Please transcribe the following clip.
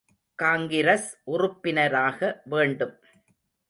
காங்கிரஸ் உறுப்பினராக வேண்டும்.